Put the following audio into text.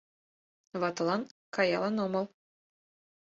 Ватылан каялын омыл.